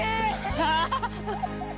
ハハハハ。